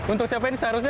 untuk siapa ini seharusnya